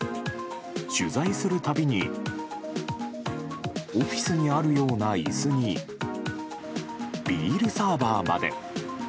取材する度にオフィスにあるような椅子にビールサーバーまで。